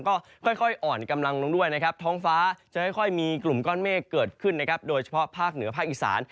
ก็ค่อยอ่อนกำลังลงด้วยนะครับท้องฟ้าจะค่อยมีกลุ่มก้อนเมฆเกิดขึ้นนะครับโดยเฉพาะภาคเหนือภาคอีสาน